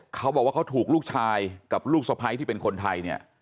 เขาบอกว่าเขาถูกลูกชายกับลูกสะพ้ายที่เป็นคนไทยเนี่ย